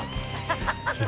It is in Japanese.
「ハハハハ」